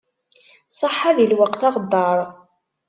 Ṣaḥḥa di lweqt aɣeddar.